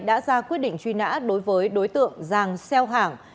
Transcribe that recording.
đã ra quyết định truy nã đối với đối tượng giàng xeo hảng